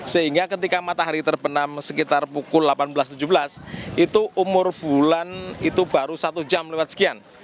sehingga ketika matahari terbenam sekitar pukul delapan belas tujuh belas itu umur bulan itu baru satu jam lewat sekian